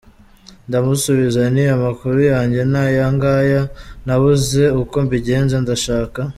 Ndamusubiza nti : amakuru yanjye ni aya ngaya, nabuze uko mbigenza, ndashaka.